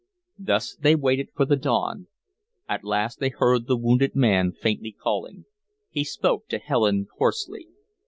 Thus they waited for the dawn. At last they heard the wounded man faintly calling. He spoke to Helen hoarsely.